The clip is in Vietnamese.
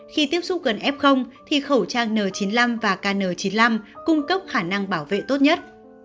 khi tiếp xúc gần f thì khẩu trang n chín mươi năm và kn chín mươi năm cung cấp khả năng bảo vệ tốt nhất